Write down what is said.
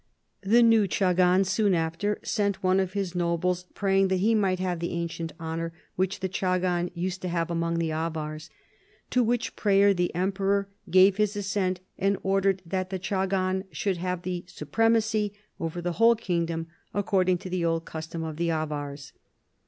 The new chagan soon after " sent one of his nobles praying that he might have the ancient honor which the chagan used to have among the Avars. To which prayer the emperor gave his assent, and ordered that the chagan should have the supremacy over the whole kingdom according to the old custom of the Avars."